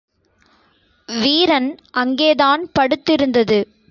வீரன் அங்கேதான் படுத்திருந்தது.